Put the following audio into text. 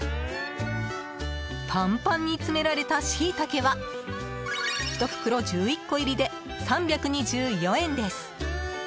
ぱんぱんに詰められたシイタケは１袋１１個入りで３２４円です。